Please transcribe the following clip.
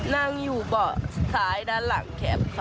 นั่งอยู่เบาะซ้ายด้านหลังแคปค่ะ